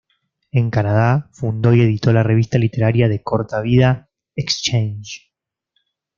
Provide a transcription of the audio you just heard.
En Canadá fundó y editó la revista literaria -de corta vida- "Exchange"".